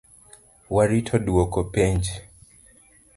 Warito duoko penj